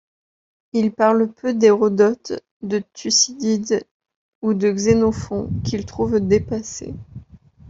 Il parle peu d'Hérodote, de Thucydide, ou de Xénophon, qu’il trouve dépassés.